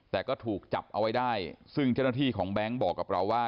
แต่ก็ถูกจับเอาไว้ได้ซึ่งเจ้าหน้าที่ของแบงค์บอกกับเราว่า